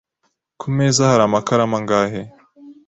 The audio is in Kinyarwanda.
Ku meza hari amakaramu angahe?